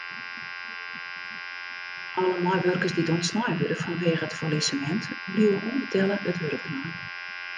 Alle meiwurkers dy't ûntslein wurde fanwegen it fallisemint bliuwe ûnbetelle it wurk dwaan.